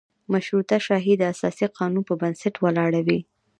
مشروطه شاهي د اساسي قانون په بنسټ ولاړه وي.